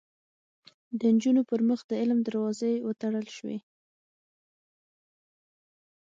د نجونو پر مخ د علم دروازې وتړل شوې